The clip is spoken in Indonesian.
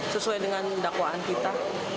sesuai dengan dakwaan kita